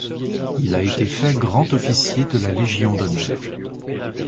Il a été fait grand-officier de la Légion d'honneur.